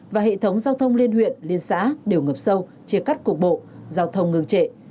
và hệ thống giao thông liên huyện liên xã đều ngập sâu chia cắt cục bộ giao thông ngừng trệ